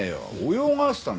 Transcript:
泳がせたんだよ！